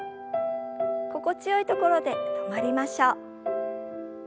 心地よいところで止まりましょう。